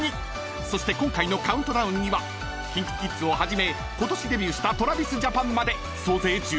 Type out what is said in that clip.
［そして今回の『カウントダウン』にはＫｉｎＫｉＫｉｄｓをはじめ今年デビューしたＴｒａｖｉｓＪａｐａｎまで］